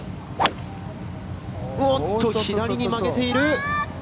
おっと、左に曲げている。